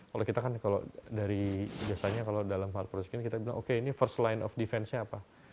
kalau kita kan kalau dari biasanya kalau dalam hal produksi kita bilang oke ini first line of defense nya apa